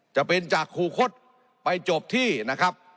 จะเป็นจากครูคดไปจบที่นะครับ